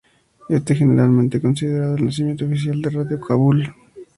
Este es generalmente considerado el nacimiento oficial de Radio Kabul.